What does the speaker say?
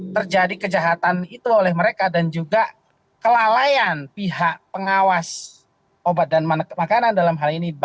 terjadi kejahatan itu oleh mereka dan juga kelalaian pihak pengawas obat dan makanan dalam hal ini